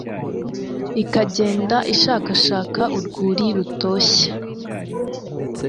ikagenda ishakashaka urwuri rutoshye